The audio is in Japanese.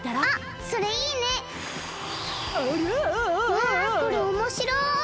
わこれおもしろい！